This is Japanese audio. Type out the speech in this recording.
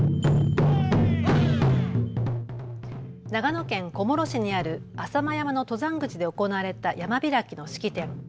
長野県小諸市にある浅間山の登山口で行われた山開きの式典。